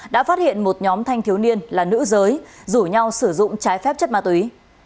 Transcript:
đã phát hiện một nhóm thanh thiếu niên là nữ giới rủ nhau sử dụng trái phép chất ma túy